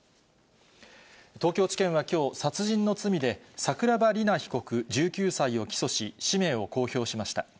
東京地検はきょう、殺人の罪で、桜庭里菜被告１９歳を起訴し、氏名を公表しました。